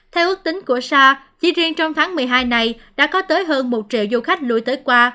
theo ước tính của sa chỉ riêng trong tháng một mươi hai này đã có tới hơn một triệu du khách lùi tới qua